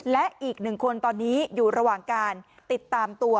และอีกหนึ่งคนตอนนี้อยู่ระหว่างการติดตามตัว